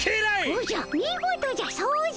おじゃ見事じゃ掃除や。